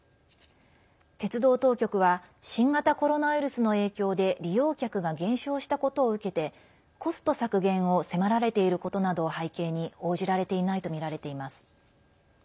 鉄道当局は新型コロナウイルスの影響で利用客が減少したことを受けてコスト削減を迫られていることなどを背景に応じられていないとみられています。